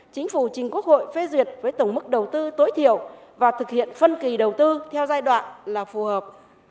chính phủ trình quốc hội phê duyệt với tổng mức đầu tư tối thiểu và thực hiện phân kỳ đầu tư theo giai đoạn là phù hợp